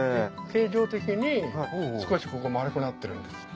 形状的に少しここ丸くなってるんですよ。